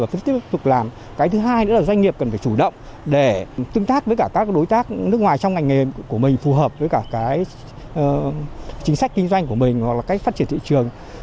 với cả cái chính sách kinh doanh của mình hoặc là cách phát triển thị trường